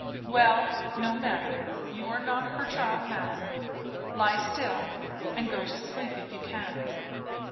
"Well, no matter; you are not her child now. Lie still, and go to sleep if you can."